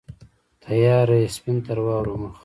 تیاره یې سپین تر واورو مخ